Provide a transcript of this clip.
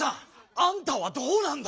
あんたはどうなんだ？